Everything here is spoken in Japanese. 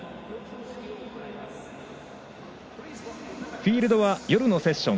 フィールドは夜のセッション